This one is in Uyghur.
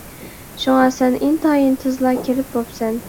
شۇڭا سەن ئىنتايىن تېزلا كىرىپ بوپسەن.